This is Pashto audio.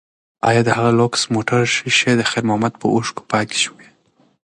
ایا د هغه لوکس موټر ښیښې د خیر محمد په اوښکو پاکې شوې؟